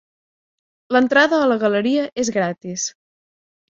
L'entrada a la galeria és gratis.